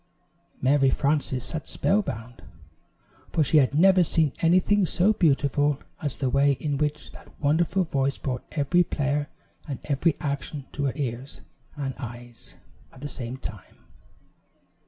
Mary Frances sat spellbound, for she had never seen anything so beautiful as the way in which that wonderful voice brought every player and every action to her ears and eyes at the same time.